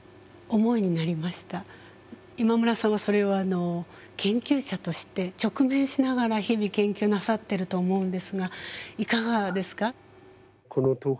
今村さんはそれを研究者として直面しながら日々研究なさってると思うんですがいかがですか。